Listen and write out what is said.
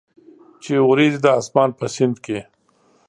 چې اوریځي د اسمان په سیند کې،